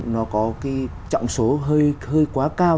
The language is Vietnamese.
nó có trọng số hơi quá cao